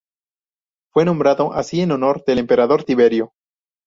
Fue nombrado así en honor del Emperador Tiberio.